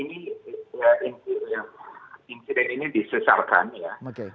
ini insiden ini disesalkan ya